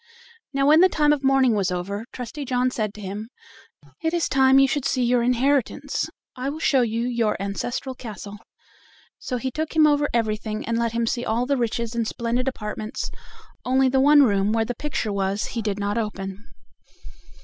Now when the time of mourning was over, Trusty John said to him: "It is time you should see your inheritance. I will show you your ancestral castle." So he took him over everything, and let him see all the riches and splendid apartments, only the one room where the picture was he did not open.